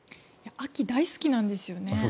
秋、大好きなんですよね。